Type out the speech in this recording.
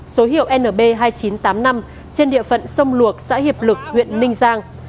số hiệu nb hai nghìn chín trăm tám mươi năm trên địa phận sông luộc xã hiệp lực huyện ninh giang